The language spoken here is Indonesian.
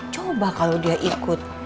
coba kalau dia ikut